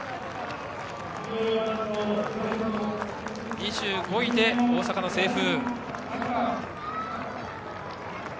２５位で大阪の清風。